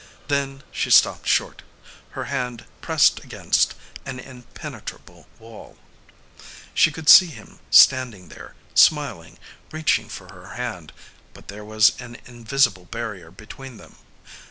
Then she stopped short, her hand pressed against an impenetrable wall. She could see him standing there, smiling, reaching for her hand, but there was an invisible barrier between them.